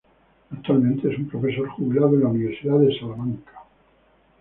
Actualmente es un profesor jubilado de la Universidad de Salamanca.